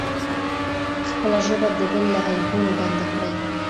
خپله ژبه د بل له عیبونو بنده کړئ.